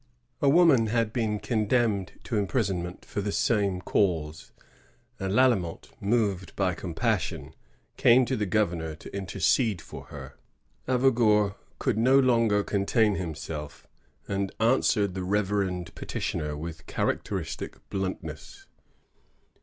A woman had been condemned to imprisonment for the same cause, and Lalemant, moved by compas* sion, came to the governor to intercede for her* Avaugour could no longer contain himself, and answered the reverend petitioner with characteristic bluntness.